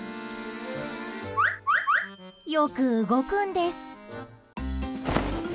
よく動くんです。